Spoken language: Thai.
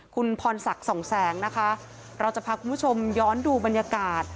คุณพรศักดิ์สองแสงนะคะเราจะพาคุณผู้ชมย้อนดูบรรยากาศ